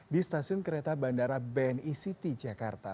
di stasiun kereta bandara bni city jakarta